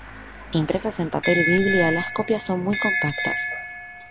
Impresas en papel biblia, las copias son muy compactas.